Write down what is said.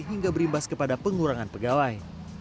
hingga berimbas kepada pengurangan pegawai